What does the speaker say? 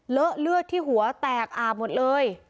เลอะเลือดที่หัวแตกอาบหมดเลย